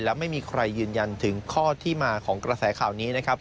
และไม่มีใครยืนยันถึงข้อที่มาของกระแสข่าวนี้นะครับ